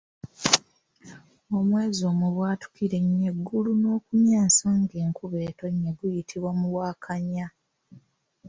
Omwezi omubwatukira ennyo eggulu n’okumyansa ng’enkuba etonnya guyitibwa Muwakanya.